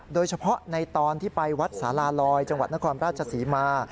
โดยเฉพาะในตอนที่ไปวัดสาลาลอยจังหวัดนครราชศรีมา